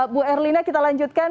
bu erlina kita lanjutkan